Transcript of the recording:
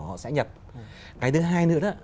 họ sẽ nhập cái thứ hai nữa